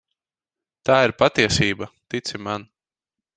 Tā ir patiesība, tici man.